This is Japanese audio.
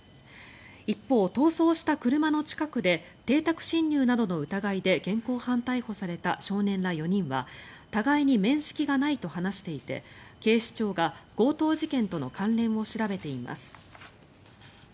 一方、逃走した車の近くで邸宅侵入などの疑いで現行犯逮捕された少年ら４人は互いに面識がないと話していて警視庁が強盗事件との関連を調べています。